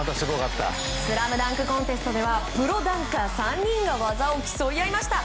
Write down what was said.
スラムダンクコンテストではプロダンカー３人が技を競い合いました。